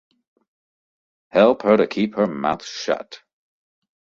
Help her to keep her mouth shut.